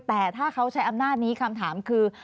แต่ถ้าเขาใช้อำนาจนี้คำถามคือ